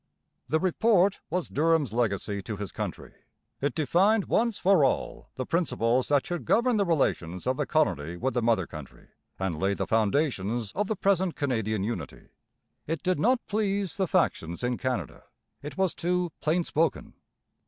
The Report was Durham's legacy to his country. It defined once for all the principles that should govern the relations of the colony with the mother country, and laid the foundations of the present Canadian unity. It did not please the factions in Canada; it was too plain spoken.